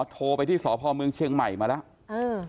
โทรไปที่สพเมืองเชียงใหม่มาแล้ว